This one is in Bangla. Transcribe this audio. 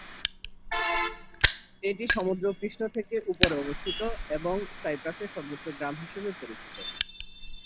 এটি সমুদ্রপৃষ্ঠ থেকে উপরে অবস্থিত এবং সাইপ্রাসের সর্বোচ্চ গ্রাম হিসেবে পরিচিত।